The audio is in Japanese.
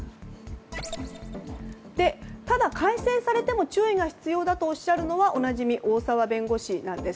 ただ、改正されても注意が必要とおっしゃるのはおなじみ、大澤弁護士なんです。